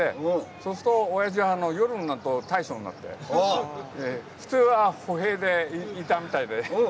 そうすると親父は夜になると大将になって普通は歩兵でいたみたいで。